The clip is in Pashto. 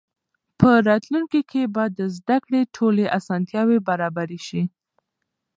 په راتلونکي کې به د زده کړې ټولې اسانتیاوې برابرې سي.